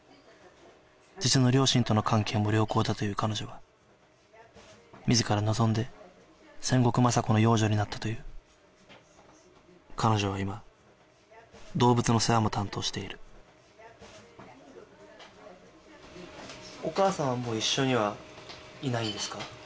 実の両親との関係も良好だという彼女は自ら望んで千石まさ子の養女になったという彼女は今動物の世話も担当しているお母さんはもう一緒にはいないんですか？